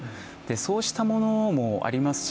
そうしたものもありますし